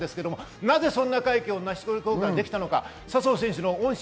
なぜそんな快挙を成し遂げることができたのか、恩師・